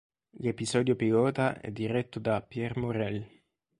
L'episodio pilota è diretto da Pierre Morel.